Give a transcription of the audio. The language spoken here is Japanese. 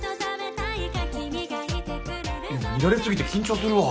見られすぎて緊張するわ。